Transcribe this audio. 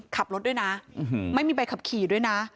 ขับรถด้วยนะไม่มีใบขับขี่ด้วยนะ